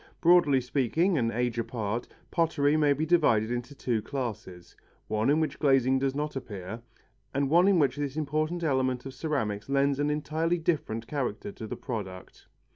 Broadly speaking, and age apart, pottery may be divided into two classes: one in which glazing does not appear, and one in which this important element of ceramics lends an entirely different character to the product.